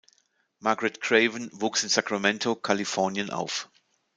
Margaret Craven wuchs in Sacramento, Kalifornien, auf.